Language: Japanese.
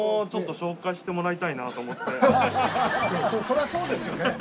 そらそうですよね。